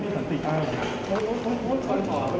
ขอถามหน่อยนะคะ